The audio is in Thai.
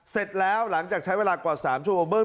เสร็จแล้วหลังจากใช้เวลากว่า๓ชั่วโมงเบื้อง